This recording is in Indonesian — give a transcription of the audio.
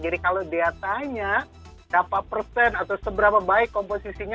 jadi kalau dia tanya dapat persen atau seberapa baik komposisinya